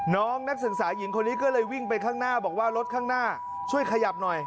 นักศึกษาหญิงคนนี้ก็เลยวิ่งไปข้างหน้าบอกว่ารถข้างหน้าช่วยขยับหน่อย